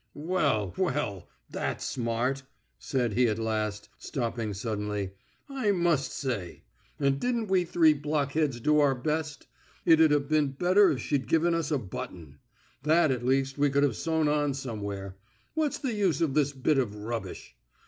"Well, well.... That's smart!" said he at last, stopping suddenly. "I must say.... And didn't we three blockheads do our best. It'd a been better if she'd given us a button. That, at least, we could have sewn on somewhere. What's the use of this bit of rubbish?